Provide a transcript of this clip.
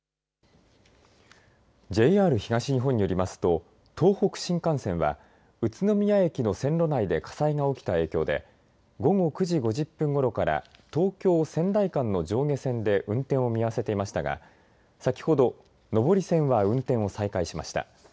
ＪＲ東日本によりますと、東北新幹線は、宇都宮駅の線路内で火災が起きた影響で、午後９時５０分ごろから東京・仙台間の上下線で運転を見合わせていましたが、先ほど、上り線は運転を再開しました。